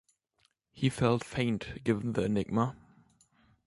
He felt faint given the enigma.